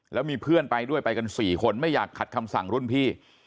แล้วมีเพื่อนไปด้วยไปกัน๔คนไม่อยากขัดคำสั่งรุ่นพี่